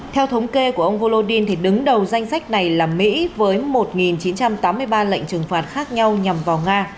theo thống kê của ông volodin đứng đầu danh sách này là mỹ với một chín trăm tám mươi ba lệnh trừng phạt khác nhau nhằm vào nga